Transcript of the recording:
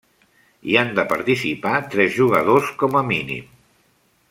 Hi han de participar tres jugadors com a mínim.